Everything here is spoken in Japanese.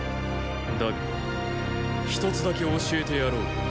だが一つだけ教えてやろう。